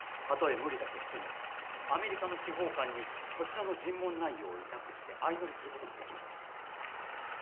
たとえ無理だとしてもアメリカの司法官にこちらの尋問内容を委託して相乗りする事もできます。